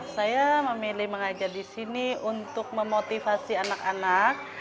saya memilih mengajar disini untuk memotivasi anak anak